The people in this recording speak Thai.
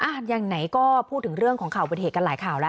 อ่ะอย่างไหนก็พูดถึงเรื่องของค่าอุปเถตกันหลายข่าวละ